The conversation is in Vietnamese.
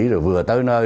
rồi vừa tới nơi